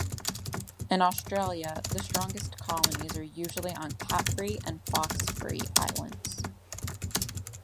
In Australia, the strongest colonies are usually on cat-free and fox-free islands.